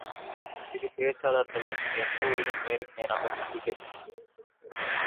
இரு பேச்சர்ளிகளும் எந்த ஊரிலும் நேருக்கு நேராகச் சந்திக்கவில்லை.